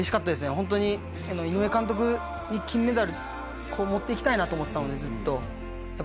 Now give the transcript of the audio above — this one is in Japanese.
ホントに井上監督に金メダルこう持っていきたいなと思ってたのでずっとやっぱ